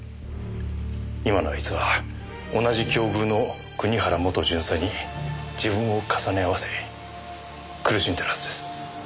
今のあいつは同じ境遇の国原元巡査に自分を重ね合わせ苦しんでるはずです。